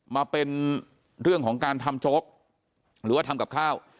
มาเป็นเรื่องของการทำโจ๊กหรือว่าทำกับข้าว